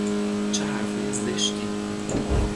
چه حرفهای زشتی!